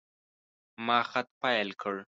ما خط پیل کړ.